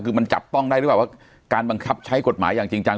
คือมันจับต้องได้หรือเปล่าว่าการบังคับใช้กฎหมายอย่างจริงจัง